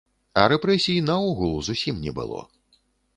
А рэпрэсій, наогул, зусім не было.